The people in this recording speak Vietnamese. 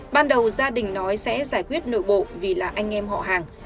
ban đầu gia đình nói sẽ giải quyết nội bộ vì là anh em họ hàng